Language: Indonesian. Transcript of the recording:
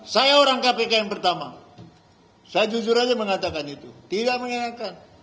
saya orang kpk yang pertama saya jujur saja mengatakan itu tidak mengingatkan